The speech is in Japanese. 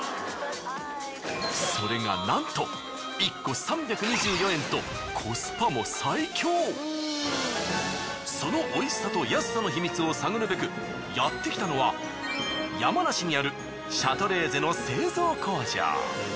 それがなんとその美味しさと安さの秘密を探るべくやってきたのは山梨にあるシャトレーゼの製造工場。